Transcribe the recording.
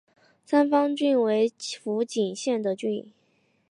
三方郡为福井县的郡。